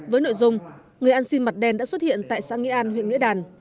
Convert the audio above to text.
với nội dung người ăn xin mặt đen đã xuất hiện tại xã nghĩa an huyện nghĩa đàn